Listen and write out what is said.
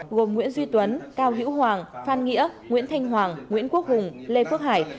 gồm nguyễn duy tuấn cao hữu hoàng phan nghĩa nguyễn thanh hoàng nguyễn quốc hùng lê phước hải